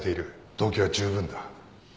動機は十分だ。